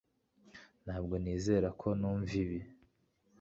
Ntabwo nizera ko numva ibi